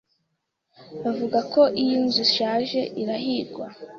Bavuga ko iyi nzu ishaje irahigwa.